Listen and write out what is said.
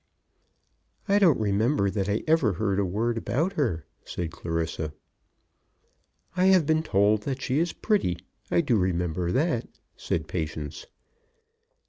"I don't remember that I ever heard a word about her," said Clarissa. "I have been told that she is pretty. I do remember that," said Patience.